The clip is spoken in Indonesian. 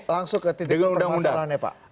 langsung ke titik permodalannya pak